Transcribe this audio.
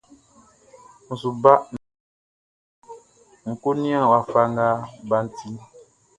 N su ba nnɔsua nun ń kó nían wafa nga baʼn tiʼn.